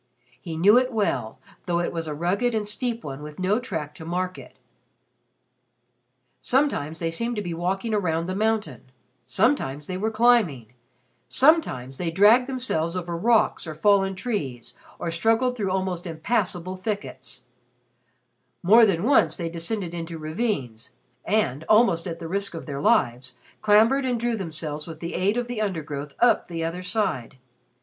He knew it well, though it was a rugged and steep one with no track to mark it. Sometimes they seemed to be walking around the mountain, sometimes they were climbing, sometimes they dragged themselves over rocks or fallen trees, or struggled through almost impassable thickets; more than once they descended into ravines and, almost at the risk of their lives, clambered and drew themselves with the aid of the undergrowth up the other side.